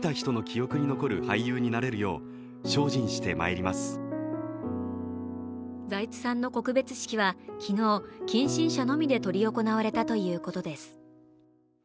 孫で俳優の財津優太郎さんは財津さんの告別式は昨日、近親者のみで執り行われたということです。